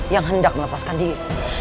yang hendak melepaskan diri